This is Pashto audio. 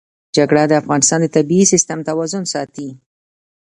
جلګه د افغانستان د طبعي سیسټم توازن ساتي.